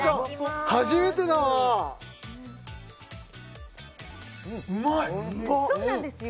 初めてだ・うまいうまっそうなんですよ・